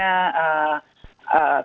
bisa jadi seperti itu karena artinya